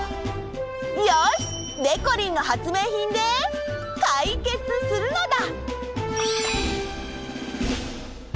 よし！でこりんの発明品でかいけつするのだ！